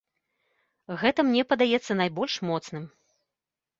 Гэта мне падаецца найбольш моцным.